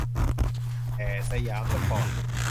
แต่ สยามสปอร์ต